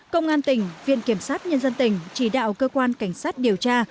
công an tỉnh viện kiểm sát nhân dân tỉnh chỉ đạo cơ quan cảnh sát điều tra